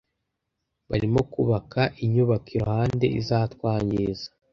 Barimo bubaka inyubako iruhande, izatwangiza